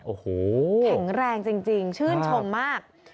โอ้โหแข็งแรงจริงชื่นชมมาก